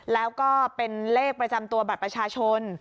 แล้วก็เป็นเลขประจำตัวบัตรประชาชน